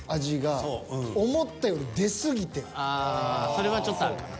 それはちょっとあるかな。